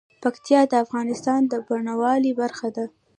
پکتیکا د افغانستان د بڼوالۍ برخه ده.